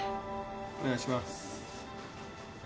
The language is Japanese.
お願いします。